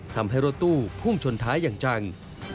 ทำให้รถตู้พุ่งชนท้ายอย่างจัง